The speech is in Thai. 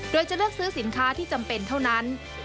โดยจะเลือกซื้อสินค้าที่จำเป็นเท่านั้น